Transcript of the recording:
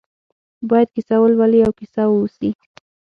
باید کیسه ولولي او کیسه واوسي.